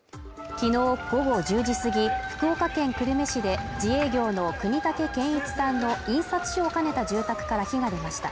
昨日午後１０時過ぎ福岡県久留米市で自営業の國武健一さんの印刷所を兼ねた住宅から火が出ました